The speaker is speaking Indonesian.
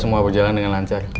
semoga berjalan dengan lancar